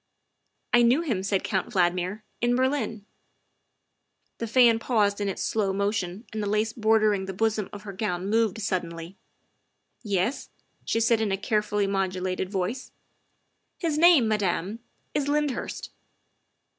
" I knew him," said Count Valdmir, " in Berlin." The fan paused in its slow motion and the lace bor dering the bosom of her gown moved suddenly. " Yes?" she said in a carefully modulated voice. '' His name, Madame, is Lyndhurst.